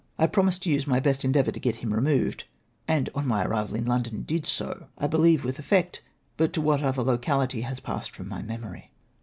I promised to use my best endeavom^ to get liini removed, and on my arrival in London did so. I beheve with efiect, but to what other locality has passed from my memory. 268 MY INTERFEEENCE.